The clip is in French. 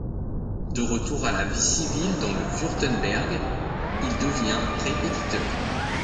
De retour à la vie civile dans le Wurtemberg il devient répétiteur.